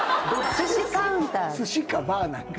すしかバーなんか？